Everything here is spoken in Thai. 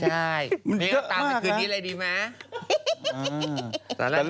ใช่ตามทุกคืนนี้เลยดีมั้ย